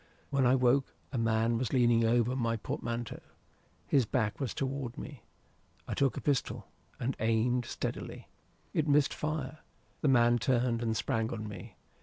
When I woke, a man was leaning over my portmanteau. His back was toward me. I took a pistol, and aimed steadily. It missed fire. The man turned and sprang on me.